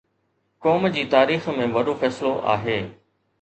قوم جي تاريخ ۾ وڏو فيصلو آهي